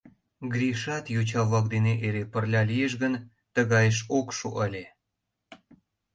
Гришат йоча-влак дене эре пырля лиеш гын, тыгайыш ок шу ыле.